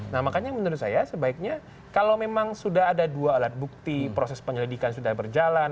nah makanya menurut saya sebaiknya kalau memang sudah ada dua alat bukti proses penyelidikan sudah berjalan